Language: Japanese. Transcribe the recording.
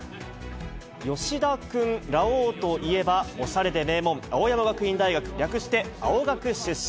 吉田君、ラオウといえば、おしゃれで名門、青山学院大学、略して青学出身。